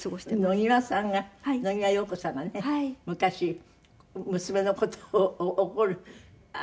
野際さんが野際陽子さんがね昔娘の事を怒る朝